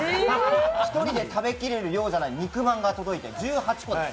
１人で食べきれる量じゃない肉まんが届いて、１８個です。